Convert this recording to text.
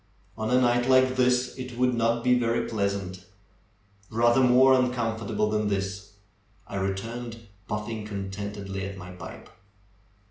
On a night like this it would not be very pleasant ; rather more uncomfortable than this," I returned, puf fing contentedly at my pipe.